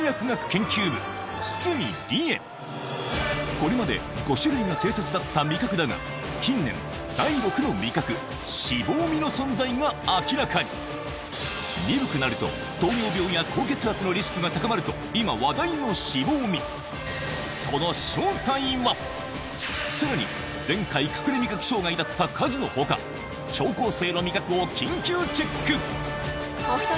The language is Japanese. これまで５種類が定説だった味覚だが近年第６の味覚脂肪味の存在が明らかに鈍くなると糖尿病や高血圧のリスクが高まると今話題の脂肪味さらに前回隠れ味覚障害だったカズの他先生。